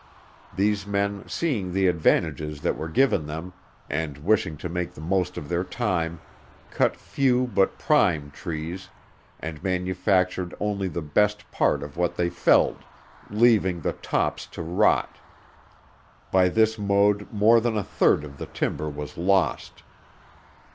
These men seeing the advantages that were given them, and wishing to make the most of their time, cut few but prime trees, and manufactured only the best part of what they felled, leaving the tops to rot; by this mode more than a third of the timber was lost.